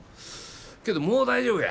けどもう大丈夫や。